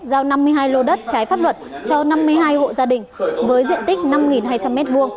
giao năm mươi hai lô đất trái pháp luật cho năm mươi hai hộ gia đình với diện tích năm hai trăm linh m hai